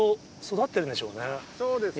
そうですね。